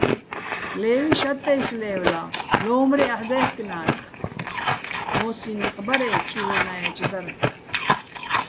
ლე́ვიშ ატტაჲში ლე́ვლა: "ლო́უ̆მრეჼ აჰ̦ დაჲხკნათხ" - მო́სსიჼ ნიყ ბარე́, ჭირვენა́ეჭ დარ.